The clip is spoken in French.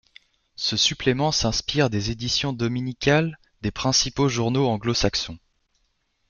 Ce supplément s'inspire des éditions dominicales des principaux journaux anglo-saxons.